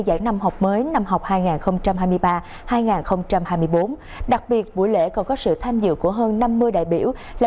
giảng năm học mới năm học hai nghìn hai mươi ba hai nghìn hai mươi bốn đặc biệt buổi lễ còn có sự tham dự của hơn năm mươi đại biểu là